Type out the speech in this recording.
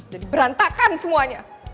jadi berantakan semuanya